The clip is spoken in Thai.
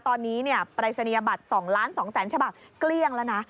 ตอนนี้ปรายศนียบัตร๒๒๐๐๐ฉบับเกลี้ยงแล้วนะ